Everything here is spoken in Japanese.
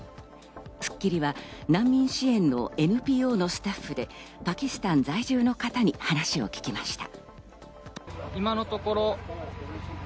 『スッキリ』は難民支援のＮＰＯのスタッフで、パキスタン在住の方に話を聞きました。